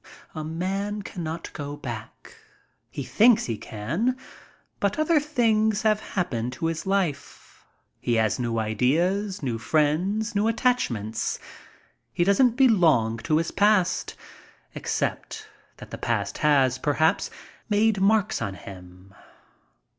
A man cannot go back. He thinks he can, but other things have happened to his life. He has new ideas, new friends, new attachments. He doesn't belong to his past, except that the past has, perhaps, made marks on him.